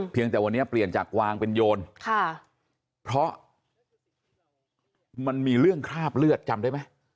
แต่วันนี้เปลี่ยนจากวางเป็นโยนค่ะเพราะมันมีเรื่องคราบเลือดจำได้ไหม